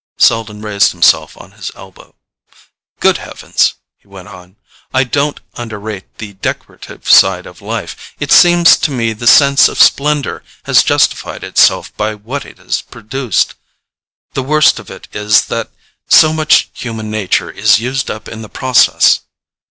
Selden raised himself on his elbow. "Good heavens!" he went on, "I don't underrate the decorative side of life. It seems to me the sense of splendour has justified itself by what it has produced. The worst of it is that so much human nature is used up in the process.